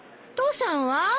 父さんは？